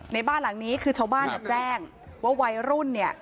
ในบ้านหลังนี้คือชาวบ้านเนี่ยแจ้งว่าวัยรุ่นเนี่ย